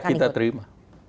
ya kita terima